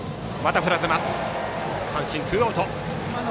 三振、ツーアウト。